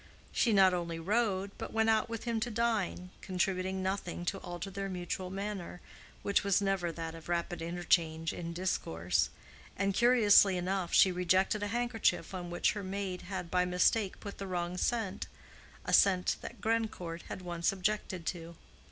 She not only rode, but went out with him to dine, contributing nothing to alter their mutual manner, which was never that of rapid interchange in discourse; and curiously enough she rejected a handkerchief on which her maid had by mistake put the wrong scent—a scent that Grandcourt had once objected to.